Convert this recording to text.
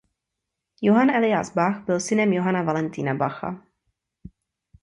Johann Elias Bach byl synem Johanna Valentina Bacha.